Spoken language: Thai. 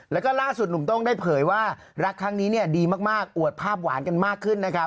แล้วก็ล่าสุดหนุ่มโต้งได้เผยว่ารักครั้งนี้เนี่ยดีมากอวดภาพหวานกันมากขึ้นนะครับ